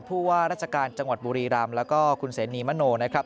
ผู้ว่าราชการจังหวัดบุรีรำแล้วก็คุณเสนีมโนนะครับ